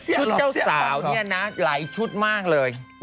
เจ้าสาวเนี่ยนะหลายชุดมากเลย